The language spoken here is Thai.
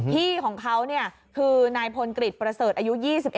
พี่ของเขาเนี่ยคือนายพลกริจประเสริฐอายุ๒๑ปี